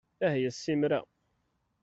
Ahya ssimra!